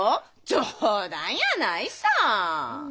冗談やないさ！